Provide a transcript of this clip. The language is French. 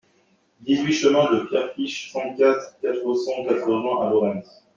dix-huit chemin de Pierrefiche, trente-quatre, quatre cent quatre-vingts à Laurens